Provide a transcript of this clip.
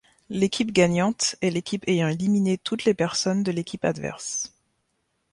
L'équipe gagnante est l'équipe ayant éliminé toutes les personnes de l'équipe adverse.